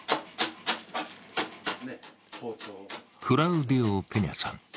クラウディオ・ペニャさん。